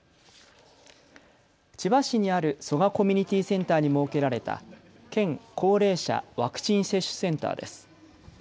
千葉市にある蘇我コミュニティセンターに設けられた県高齢者ワクチン接種センターです。